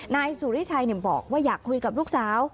นายสุริชัยบอกว่าอยากคุยกับลูกสาว